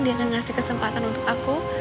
dia akan ngasih kesempatan untuk aku